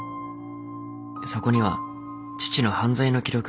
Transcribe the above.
そこには父の犯罪の記録がびっしりで。